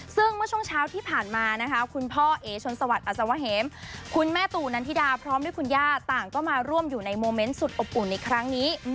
ซึ่งเมื่อช่วงเช้าที่ผ่านมานะคะคุณพ่อเอ๋ชนสวัสดิอัศวะเหมคุณแม่ตู่นันทิดาพร้อมด้วยคุณย่าต่างก็มาร่วมอยู่ในโมเมนต์สุดอบอุ่นในครั้งนี้